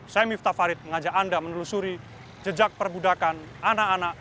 saya miftah farid mengajak anda menelusuri jejak perbudakan anak anak